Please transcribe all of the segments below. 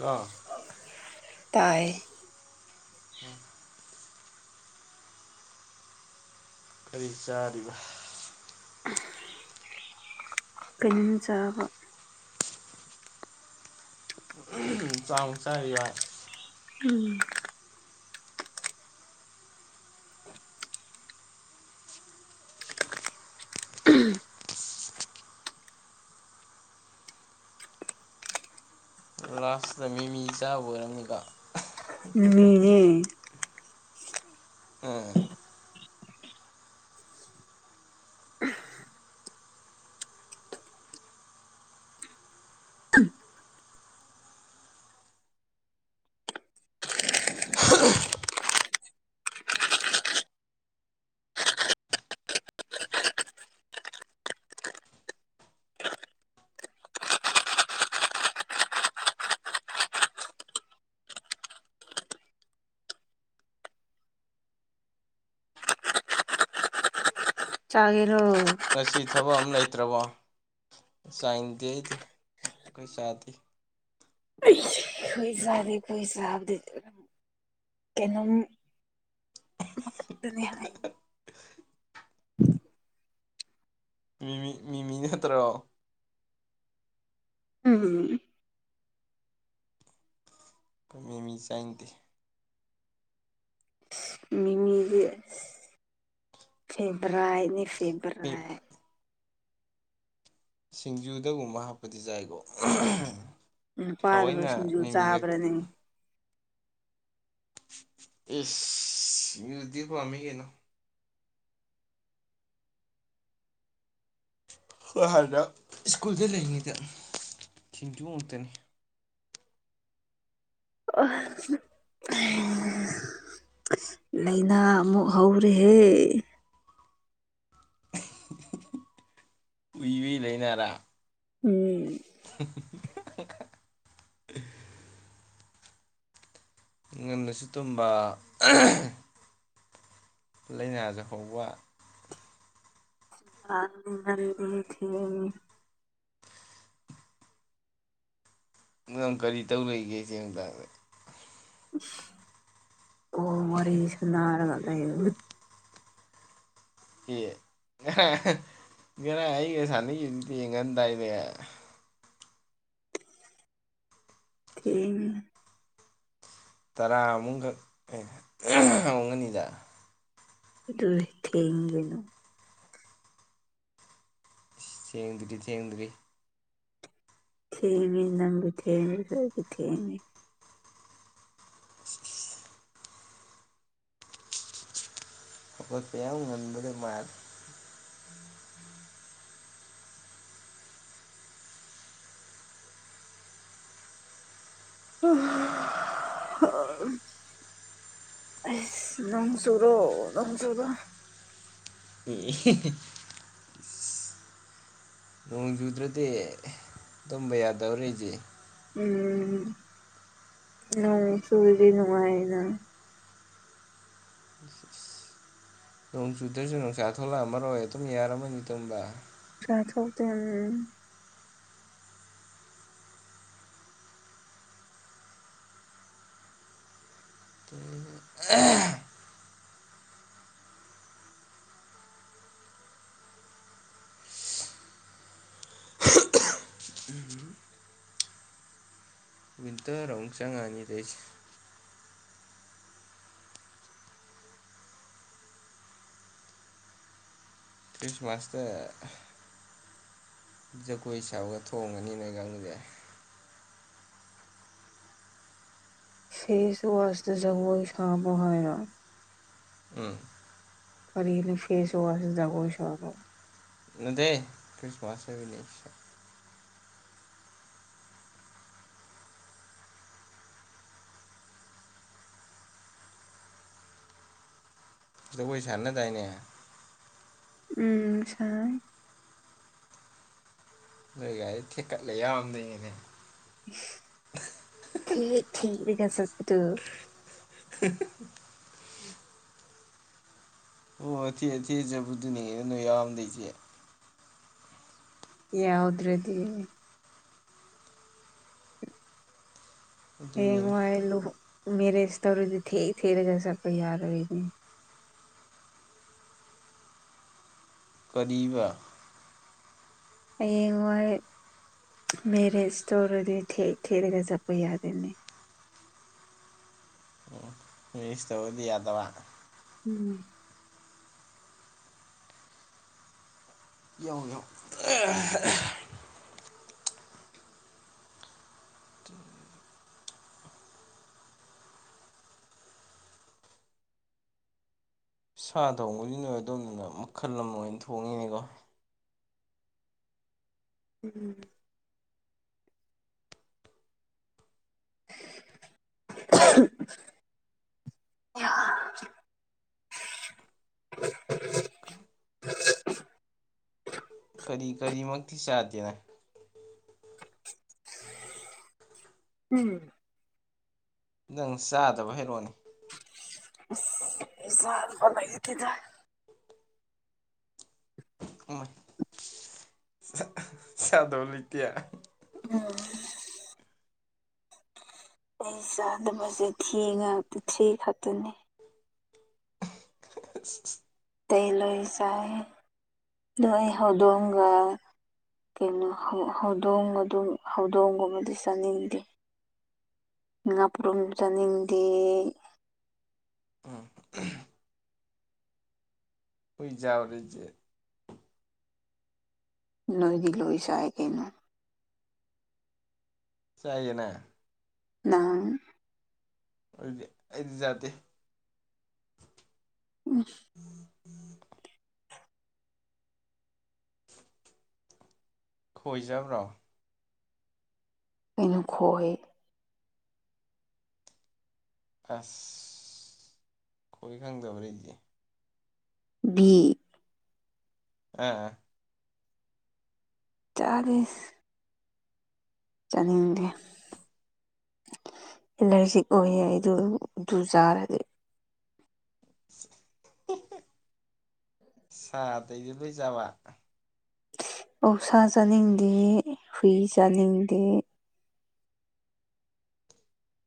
ꯑ ꯇꯥꯏ ꯎꯝ ꯀꯔꯤ ꯆꯥꯔꯤꯕ ꯀꯝ ꯆꯥꯕ ꯆꯥꯎꯃꯨꯛ ꯆꯥꯔꯤꯕ ꯎꯝ ꯂꯥꯁꯇ ꯃꯤ ꯃꯤ ꯆꯥꯕ ꯑꯣꯏꯔꯝꯅꯤꯕ ꯎ ꯎꯝ ꯆꯥꯒꯔꯣ ꯉꯁꯤ ꯊꯕꯛ ꯑꯃ ꯂꯩꯇ꯭ꯔꯕꯣ ꯆꯥꯏꯟꯗꯦ ꯑꯩꯗꯤ ꯀꯩ ꯆꯥꯗꯦ ꯍꯣꯏꯁꯗꯣꯏ ꯁꯥꯕ ꯀꯩꯅꯣꯝ ꯑꯗꯨꯅꯤ ꯍꯥꯏ ꯃꯤꯃꯤ ꯃꯤꯃꯤꯅꯦ ꯅꯠꯇ꯭ꯔꯣ ꯎꯝ ꯀ ꯃꯤ ꯃꯤ ꯆꯥꯏꯗꯦ ꯁꯤꯕ ꯔꯅꯤ ꯁꯤꯕ ꯃꯤ ꯔ ꯁꯤꯡꯖꯨꯗꯒꯨꯝꯕ ꯍꯥꯞꯄꯗꯤ ꯆꯥꯏꯀꯣ ꯅꯨꯄꯥꯗꯕꯨ ꯊꯑꯣꯏꯅ ꯁꯤꯡꯖꯨ ꯃꯤꯃꯤ ꯈꯛꯇ ꯆꯥꯕ꯭ꯔꯅꯦ ꯏꯁ ꯃꯌꯨꯗꯤ ꯄꯃꯤꯒꯤꯅ ꯍꯣꯏ ꯍꯥꯏꯥꯟꯅ ꯁ꯭ꯀꯨꯜꯗ ꯂꯩꯔꯤꯉꯩꯗ ꯊꯤꯟꯖꯨꯃꯛꯇꯅꯤ ꯑꯣ ꯂꯥꯏꯅꯥ ꯑꯃꯨꯛ ꯍꯧꯔꯦꯍꯦ ꯎꯏꯕꯤ ꯂꯩꯅꯥꯔꯥ ꯎꯝ [unintelligible] ꯉꯟꯅꯁꯨ ꯇꯨꯝꯕ ꯂꯥꯏꯅꯥꯖ ꯍꯧꯕ ꯉ ꯊ ꯅꯪ ꯀꯔꯤ ꯇꯧ ꯂꯩꯒꯦ ꯆꯦꯡ ꯗꯥꯥꯡꯗ ꯀꯣ ꯋꯥꯔꯤꯔꯤ ꯁꯅꯔꯒ ꯂꯩ ꯍ ꯀꯔ ꯑꯩꯒ ꯁꯥꯟꯅꯈꯤꯕꯗꯤ ꯌꯦꯡꯒꯟꯗꯥꯏꯅꯦ ꯊꯦꯡ ꯇꯔꯥ ꯑꯃꯨꯛꯈꯛ ꯑꯃꯨꯛ ꯑꯅꯤꯗ ꯊꯒꯩꯅꯣ ꯊꯦꯡꯗ꯭ꯔꯤ ꯊꯦꯡꯗ꯭ꯔꯤ ꯊꯦꯡꯉꯦ ꯅꯪꯒꯤ ꯊꯦꯡꯉꯦ ꯐꯔꯒꯤ ꯊꯦꯡꯉꯦ ꯑꯎ ꯉꯕꯗꯤ ꯃꯥꯔ ꯍ ꯑꯦ ꯅꯪꯁꯨꯨꯔꯣ ꯅꯪꯁꯨꯨꯔꯣ [unintelligible] ꯅꯣꯡꯖꯨꯗ꯭ꯔꯗꯤ ꯑꯗꯨꯝꯕ ꯌꯥꯗꯧꯔꯦꯁꯦ ꯎꯝ ꯅ ꯁꯨꯏꯕꯤꯅꯅꯨꯡꯉꯥꯏꯅ ꯅꯣꯡ ꯆꯨꯗ꯭ꯔꯁꯨ ꯅꯨꯡꯁꯥ ꯊꯣꯛꯂꯛꯑꯝꯃꯔꯣꯏ ꯍ ꯑꯗꯨꯝ ꯌꯥꯔꯝꯃꯅꯤ ꯇꯝꯕ ꯁꯥ ꯆꯗ ꯎꯝ ꯑ ꯕꯤꯟꯗꯔ ꯔꯣꯣꯡꯆꯪ ꯑꯅꯤꯗꯦꯁ ꯐꯤꯁꯃꯁꯇ ꯖꯒꯣꯏ ꯁꯒ ꯊꯣꯡꯉꯅꯤꯅꯒꯪꯁꯦ ꯐꯦꯁ ꯋꯥꯁꯗꯖꯕꯨꯣꯏ ꯁꯕ ꯍ ꯍꯥꯏꯔ ꯎꯝ ꯄ ꯏꯅ ꯐꯦꯁ ꯋꯥꯁꯗꯒꯣ ꯁꯀꯝ ꯎꯗꯦ ꯈ꯭ꯔꯤꯁꯃꯁꯦꯅꯤ ꯑꯗꯨꯕꯨꯣꯏꯁꯅ ꯇꯥꯏꯅꯦ ꯎꯝꯁ ꯂꯩꯒ ꯊꯤꯀꯠ ꯂꯩꯗꯅꯦ ꯊ ꯊ ꯀ ꯆꯣ [inaudible] ꯑꯣ ꯊ ꯊ ꯆꯦ ꯕꯨꯗꯤꯅꯤ ꯑꯗꯨ ꯌꯥꯝꯗꯦ ꯌꯥꯎꯗ꯭ꯔꯗꯤ ꯑꯗꯨꯅꯤꯅꯦ ꯍꯦꯉꯣꯥꯏ ꯂꯨ ꯃꯦꯔꯁ ꯇꯧꯔꯗꯤ ꯊꯦ ꯊꯦꯔꯒꯁꯄꯩ ꯌꯥꯔꯣꯏꯗꯤ ꯄꯔꯤꯕ ꯑꯩꯌꯦꯡ ꯍꯣꯏ ꯃꯦꯔ ꯏꯁꯇꯣꯔꯗꯤ ꯏ ꯊꯦꯔꯒ ꯆꯄꯨ ꯌꯥꯗ ꯏꯅꯤ ꯃꯤꯁꯇꯕꯨꯗꯤ ꯌꯥꯗꯕ ꯎꯝ ꯌꯎ ꯌꯎ ꯁꯥ ꯊꯣꯡꯉꯅꯤꯅꯣꯏ ꯑꯗꯣꯝꯅꯤꯅ ꯃꯈꯜ ꯑꯃ ꯑꯣꯏꯅ ꯊꯣꯡꯉꯤꯅꯦꯀꯣ ꯎꯝ ꯑ ꯀꯔꯤ ꯀꯔꯤꯃꯛꯇꯤ ꯆꯥꯗꯦꯅ ꯎꯝ ꯅꯪ ꯆꯥꯗꯕ ꯍꯩꯔꯣꯅꯦ ꯥ ꯐ ꯀꯦꯗ ꯎꯝ ꯁꯥꯗꯣ ꯂ ꯏꯇꯌꯥ ꯎꯝ ꯑꯩ ꯆꯥꯗꯕꯁꯦ ꯊꯉ ꯊ ꯈ ꯑꯗꯨꯅꯤ ꯇꯩꯂꯣꯏꯁꯥꯏ ꯅꯩ ꯍꯗꯣꯡꯥꯏ ꯀꯩꯅꯣ ꯍꯧꯗꯣꯡ ꯑꯗꯨ ꯍꯧꯗꯣꯡꯒꯨꯝꯕꯗꯤ ꯆꯥꯅꯤꯡꯗꯦ ꯄꯔꯝ ꯆꯅꯤꯡꯅꯤꯡꯗꯤ ꯎꯝ ꯑꯣꯏꯖꯕꯔꯖ ꯅꯣꯏꯗꯤ ꯂꯣꯏꯁꯥꯏ ꯀꯩꯅꯣ ꯆꯩꯥꯏꯅꯥ ꯂ ꯑꯣꯏꯗꯤ ꯑꯩꯗꯤꯖꯗꯦ ꯎꯝ ꯈꯣꯏꯖꯕ꯭ꯔꯣ ꯀꯩꯅꯨ ꯍꯍ ꯑꯁ ꯈꯣꯏ ꯈꯪꯗꯕꯔꯗꯤ [inaudible] ꯑꯥ ꯑꯥ ꯆꯥꯔꯤ ꯆꯅꯤꯡꯅꯤꯡꯗꯦ ꯑꯦꯂꯔꯤ ꯁꯤ ꯀ ꯏꯗꯨꯖꯔꯗꯤ ꯁꯗꯗꯨ ꯂꯣꯏꯖꯕ ꯑꯧꯁꯥ ꯆꯥꯅꯤꯡꯗꯦ ꯍꯨꯏ ꯆꯥꯅꯤꯡꯗꯦ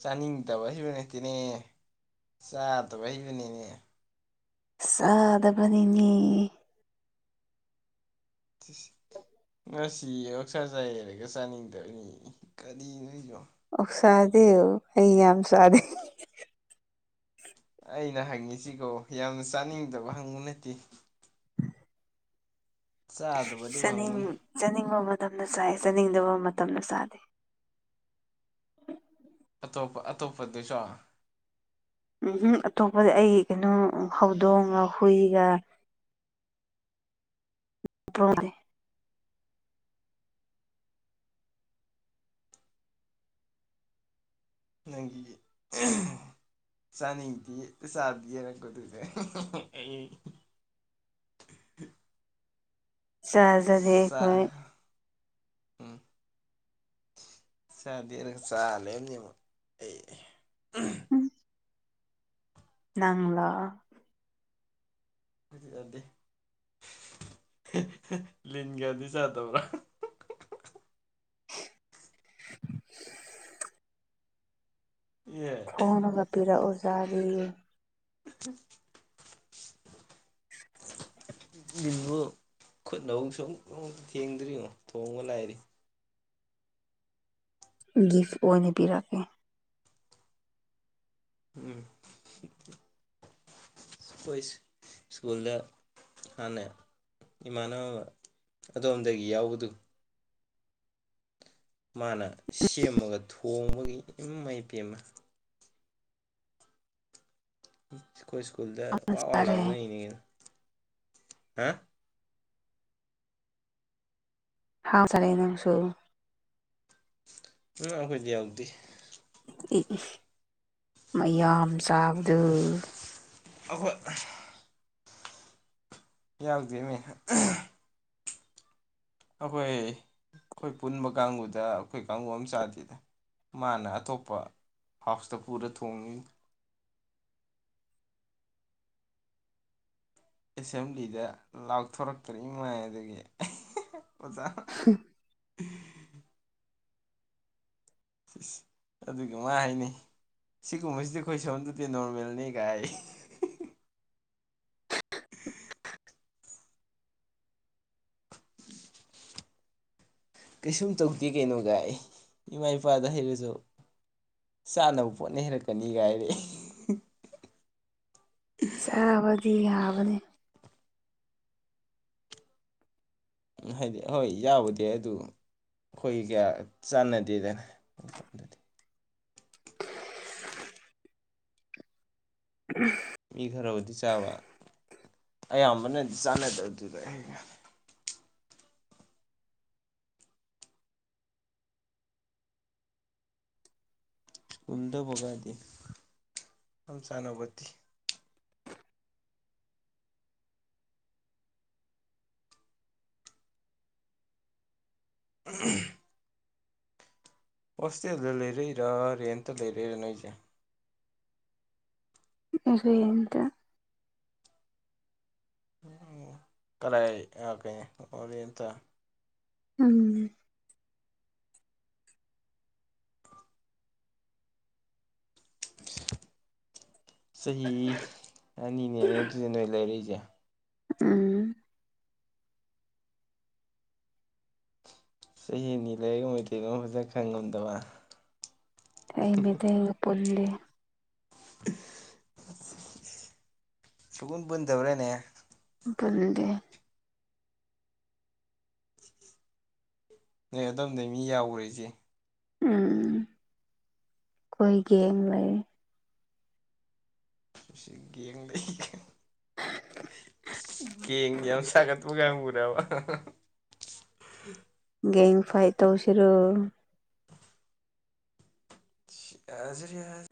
ꯆꯥꯅꯤꯡꯗꯕ ꯍꯩꯕ ꯅꯠꯇꯦꯅꯦ ꯆꯥꯗꯕ ꯍꯩꯕꯅꯤꯅꯦ ꯁꯥꯗꯕꯅꯤꯅꯤ [unintelligible] ꯉꯁꯤ ꯑꯛꯁꯥ ꯆꯥꯏꯔꯒ ꯆꯥꯅꯤꯡꯗꯕꯅꯤ ꯀꯔꯤ ꯅꯣꯏꯅꯣ ꯑꯣ ꯁꯥꯗꯦ ꯑ ꯌꯥꯝꯝ ꯁꯥꯗꯦ ꯑꯩꯅ ꯍꯪꯉꯤꯁꯤꯀꯣ ꯌꯥꯝꯅ ꯆꯥꯅꯤꯡꯗꯕ ꯍꯪꯕ ꯅꯠꯇꯦ ꯆꯥꯗꯕꯗꯨ ꯆꯅꯤꯡ ꯍꯪꯕꯅꯤ ꯆꯥꯅꯤꯡꯕ ꯃꯇꯝꯗ ꯆꯥꯏ ꯆꯥꯅꯤꯡꯗꯕ ꯃꯇꯝꯗ ꯆꯥꯗꯦ ꯑꯇꯣꯞꯄ ꯑꯇꯣꯞꯄꯗꯨꯁꯨ ꯎꯝ ꯑꯇꯣꯞꯄꯗ ꯑꯩ ꯀꯩꯅꯣ ꯍꯧꯗꯣꯡꯒ ꯍꯨꯏꯒ ꯣꯗꯤ ꯅꯪꯒꯤ ꯁꯅꯤꯇ ꯄ ꯁꯥꯥꯌꯦ ꯔꯈꯣ ꯇꯁꯦ [unintelligible] ꯆꯖ ꯍꯣꯏ ꯎꯝ ꯆꯥꯗꯦ ꯆꯥꯂꯕꯅꯦꯨꯛ ꯑꯩ ꯎꯝ ꯅꯥ ꯖꯗ ꯂꯤꯟꯒꯗꯤ ꯆꯥꯗꯕ꯭ꯔꯥ [inaudible] ꯑꯦ ꯊꯣꯅꯒ ꯄꯤꯔꯛꯎꯖꯥꯔꯤ ꯑ ꯜꯕꯨ ꯈꯨꯠꯅ ꯑꯃꯛꯁꯨ ꯑꯃꯨ ꯊꯦꯡꯗ꯭ꯔꯤꯉꯣ ꯊꯣꯡꯕ ꯂꯥꯏꯔꯤ ꯒꯤꯐ ꯑꯣꯏꯅ ꯄꯤꯔꯛꯀꯦ ꯎꯝ ꯍꯣꯏ ꯁ꯭ꯀꯨꯜꯗ ꯍꯥꯅ ꯏꯃꯥꯟꯅꯕ ꯑꯗꯣꯝꯗꯒꯤ ꯌꯥꯎꯕꯗꯨ ꯃꯥꯅ ꯁꯦꯝꯃꯒ ꯊꯣꯡꯕꯒꯤ ꯃꯥꯏ ꯄꯦꯝꯃꯦ ꯀ ꯁꯀꯨꯜꯗ ꯋꯥ ꯋꯥ ꯆꯥꯔꯦ ꯂꯥꯎꯅ ꯍꯒꯅ ꯍꯥ ꯍꯥꯎ ꯆꯔꯦ ꯅꯪꯁꯨ ꯎ ꯑꯩꯈꯣꯏ ꯂꯩꯎꯗꯤ ꯃꯌꯥꯝ ꯆꯕꯗ ꯑꯩꯈꯣꯏ ꯌꯥ ꯌꯥꯎꯗꯅꯦ ꯑꯩꯈꯣꯏ ꯑꯩꯈꯣꯏ ꯄꯨꯟꯕ ꯀꯥꯡꯒꯕꯨꯗ ꯑꯩꯈꯣꯏ ꯀꯥꯡ ꯑꯃ ꯆꯥꯗꯦꯗ ꯃꯥꯅ ꯑꯇꯣꯞꯄ ꯍꯥꯐꯇ ꯄꯔ ꯊꯣꯡꯅꯤ ꯑꯦꯁꯦꯝꯕ꯭ꯂꯤꯗ ꯂꯥꯎꯊꯣꯔꯛꯛꯇꯔ ꯏ ꯃꯥꯏ ꯑꯗꯨꯗꯒꯤ ꯑꯣꯖꯥ ꯑꯗꯨꯒꯃ ꯍꯥꯏꯅꯩ ꯁꯤꯒꯨꯝꯕꯁꯤꯗꯤ ꯑꯩꯈꯣꯏ ꯁꯣꯝꯗꯗꯤ ꯅꯣꯔꯃꯦꯜꯅꯤ ꯀꯥꯏ ꯀꯩꯁꯨꯝ ꯇꯧꯗꯦ ꯀꯩꯅꯣꯒ ꯑꯦ ꯏꯃꯥ ꯏꯄꯥꯗ ꯍꯩꯔꯁꯨ ꯆꯥꯅꯕ ꯄꯣꯠꯅ ꯍꯦꯜꯔꯛꯀꯅꯤꯒꯥꯏꯔꯦ ꯆꯥꯕꯗꯤ ꯌꯥꯕꯅꯤ ꯎ ꯍꯥꯏꯗꯤ ꯍꯣꯏ ꯌꯥꯎꯗꯦ ꯑꯗꯨ ꯑꯩꯈꯣꯏ ꯀꯌꯥ ꯆꯥꯟꯅꯗꯦꯗꯅ ꯑꯩ ꯁꯣꯝꯗꯗꯤ ꯃꯤ ꯈꯔ ꯑꯃꯗꯤꯗꯤ ꯆꯕ ꯑꯌꯥꯝ ꯃꯅꯤ ꯗꯤꯁꯥꯅꯦ ꯇꯧꯗꯨꯔ ꯎꯗꯕꯒꯗ ꯊꯝ ꯆꯥꯅꯄꯠꯇ [inaudible] ꯑꯁꯤꯦꯜꯗ ꯂꯔꯩ ꯔ ꯔꯦꯟꯦꯟꯇ ꯂꯦꯔ ꯔ ꯅꯣꯏꯖ ꯑꯗꯨꯔꯣꯏꯟꯗ ꯎ ꯀꯗꯥꯥꯏꯀꯅꯤ ꯑꯣꯇ ꯎꯝ [inaudible] ꯆꯍꯤ ꯑꯅꯤꯅꯦꯅꯦ ꯑꯗꯨꯨꯗ ꯅꯣꯏ ꯂꯩꯔꯏꯁꯦ ꯎꯝ ꯆꯍꯤ ꯑꯅꯤ ꯂꯩꯔꯤꯃꯩꯗꯤ ꯑꯗꯨꯝ ꯐꯖꯅ ꯈꯪ ꯉꯝꯗꯕ ꯑꯩꯕꯤꯗꯩꯒ ꯄꯨꯜꯂꯤ ꯁꯒꯨꯟ ꯄꯨꯟꯗꯕ꯭ꯔꯦꯅꯦ ꯄꯨꯗꯦ ꯅ ꯑꯗꯨꯝꯗꯩ ꯃꯤ ꯌꯥꯎꯔꯁꯦ ꯎꯝ ꯀꯣꯏꯒꯤꯝ ꯂꯩ ꯁꯤ ꯌꯦꯡꯅꯩ ꯀꯦꯡ ꯌꯥꯝ ꯁꯥꯒꯠꯄꯒ ꯌꯥꯝ ꯃꯔꯦꯕ ꯒ ꯐꯥꯏ ꯇꯧꯁꯤꯔꯣ ꯖꯔ